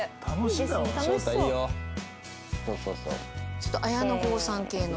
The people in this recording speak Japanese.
ちょっと綾野剛さん系の。